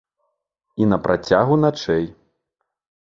І на працягу начэй.